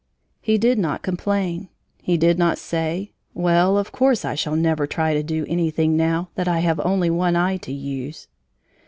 He did not complain, he did not say: "Well, of course, I shall never try to do anything now that I have only one eye to use."